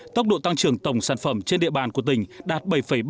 tốc độ tăng trưởng tổng sản phẩm trên địa bàn của tỉnh đạt bảy ba